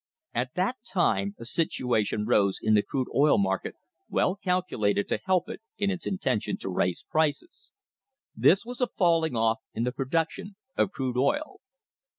At that time a situation rose in the crude oil market well calculated to help it in its intention to raise prices. This was a falling off in the pro duction of crude oil.